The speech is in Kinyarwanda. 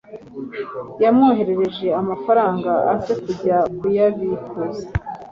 yamwoherereje Amafaranga aze kujya kuyabikuza